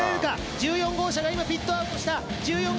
１４号車ピットアウトした！